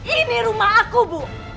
ini rumah aku bu